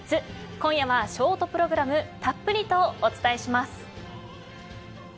今夜はショートプログラムたっぷりとお伝えします。